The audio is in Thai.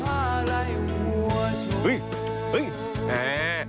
มหาลัยหัวชาย